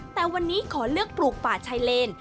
แต่วันนี้ขอเลือกปลูกป่าชายเลน